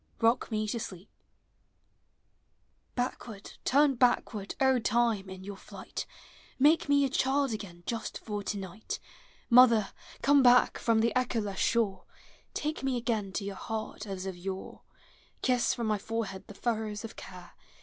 ROCK ME TO SLEEP. Hack ward, turn backward, O Time, in your flight, Make me a child again just for tonight! Mother, come back from the echoless shore, Take me again to your heart as of yore; Kiss from my forehead the furrows of care.